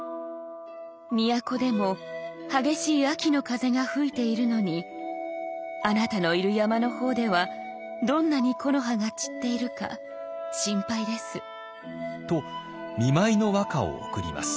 「都でも激しい秋の風が吹いているのにあなたのいる山の方ではどんなに木の葉が散っているか心配です」。と見舞いの和歌を贈ります。